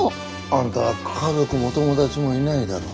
あんた家族も友達もいないだろ。